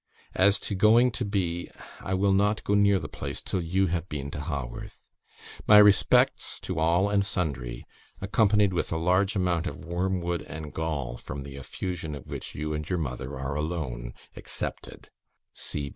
As to going to B , I will not go near the place till you have been to Haworth. My respects to all and sundry, accompanied with a large amount of wormwood and gall, from the effusion of which you and your mother are alone excepted.